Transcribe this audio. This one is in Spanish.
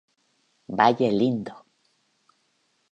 Valle Lindo.